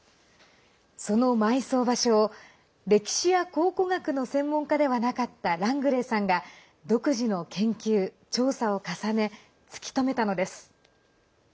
その埋葬場所を歴史や考古学の専門家ではなかったラングレーさんが独自の研究・調査を重ね突き止めたのです。